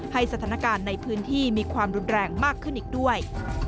สถานการณ์ในพื้นที่มีความรุนแรงมากขึ้นอีกด้วย